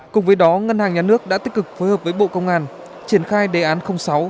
cùng với đó ngân hàng nhà nước đã tích cực phối hợp với bộ công an triển khai đề án sáu